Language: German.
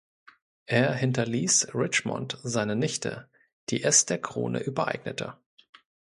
Er hinterließ Richmond seiner Nichte, die es der Krone übereignete.